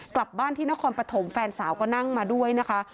กลับบ้านที่นครปฐมแฟนสาวก็นั่งมาด้วยนะคะ